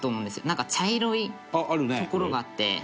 なんか茶色いところがあって。